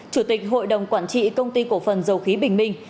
chủ tịch hội đồng quản trị công ty cổ phần dầu khí bình minh